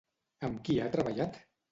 Amb qui ha treballat?